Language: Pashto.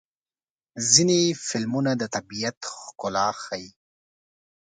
ځینې فلمونه د طبیعت ښکلا ښيي.